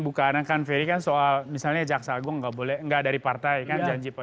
bukaan kang ferry kan soal misalnya jaksa agung nggak boleh enggak dari partai kan janji pak